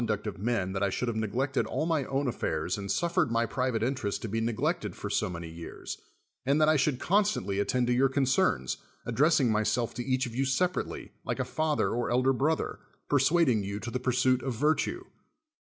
luet 70 SOCRATES of men that I should have neglected all my own affairs and suffered my private interest to be neglected for so many years, and that I should constantly attend to 3'our concerns, addressing myself to each of you separately, like a father or elder brother, persuading you to the pursuit of virtue.